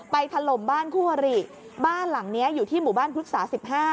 ไปทะลมบ้านคู่หรี่บ้านหลังเนี้ยอยู่ที่หมู่บ้านพุทธศาสตร์สิบห้า